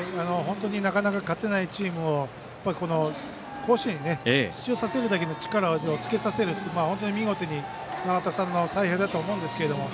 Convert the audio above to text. なかなか勝てないチームを甲子園に出場させるだけの力をつけさせるという本当に見事な永田さんの采配だと思うんですけど。